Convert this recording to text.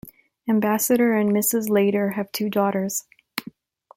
Ambassador and Mrs. Lader have two daughters.